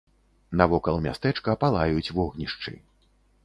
Навокал мястэчка палаюць вогнішчы.